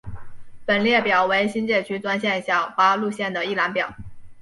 本列表为新界区专线小巴路线的一览表。